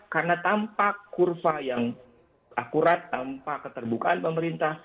karena tanpa kurva yang akurat tanpa keterbukaan pemerintah